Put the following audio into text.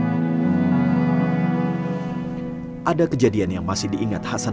kejaksaan yang terjadi di hadapan tim penebak dari bali ini menjelaskan